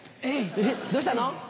えっどうしたの？